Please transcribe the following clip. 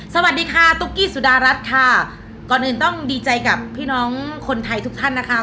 สวัสดีค่ะตุ๊กกี้สุดารัฐค่ะก่อนอื่นต้องดีใจกับพี่น้องคนไทยทุกท่านนะคะ